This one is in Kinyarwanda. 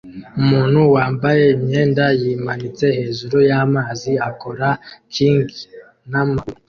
Umuntu wambaye imyenda yimanitse hejuru y'amazi akora king n'amaguru